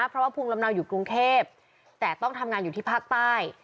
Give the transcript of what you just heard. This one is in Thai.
เพราะว่าภูมิลำเนาอยู่กรุงเทพแต่ต้องทำงานอยู่ที่ภาคใต้